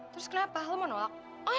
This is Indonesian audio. terus kenapa lo mau nolak